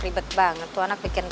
ribet banget tuh anak bikin rempong deh